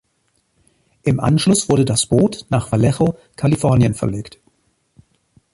Im Anschluss wurde das Boot nach Vallejo, Kalifornien verlegt.